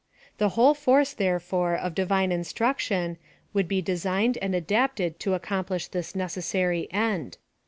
The whole force, therefore, of Divhie instruction, would be designed and adapted to accomplish this necessary end.